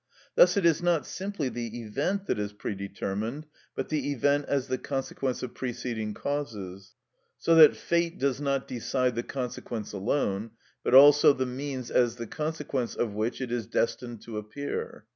Thus it is not simply the event that is predetermined, but the event as the consequence of preceding causes; so that fate does not decide the consequence alone, but also the means as the consequence of which it is destined to appear.